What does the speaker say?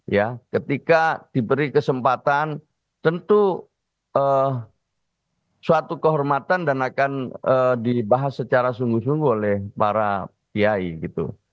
ya ketika diberi kesempatan tentu suatu kehormatan dan akan dibahas secara sungguh sungguh oleh para kiai gitu